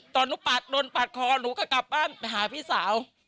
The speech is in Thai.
ตอนหนูปาดโดนปาดคอหนูก็กลับบ้านไปหาพี่สาว